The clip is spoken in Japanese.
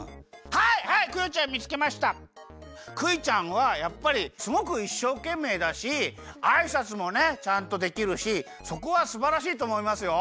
クイちゃんはやっぱりすごくいっしょうけんめいだしあいさつもねちゃんとできるしそこはすばらしいとおもいますよ。